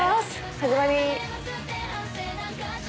始まり。